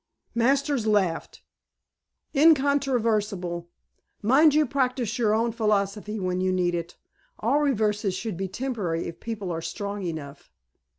Masters laughed. "Incontrovertible. Mind you practice your own philosophy when you need it. All reverses should be temporary if people are strong enough."